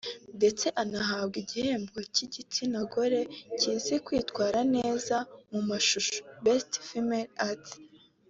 Ndetse anahabwa igihembo cy’igitsina gore kizi kwitwara neza mu mashusho “Best Female Act”